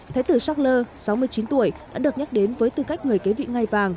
thái tử schackler sáu mươi chín tuổi đã được nhắc đến với tư cách người kế vị ngay vàng